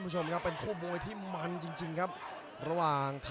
แชลเบียนชาวเล็ก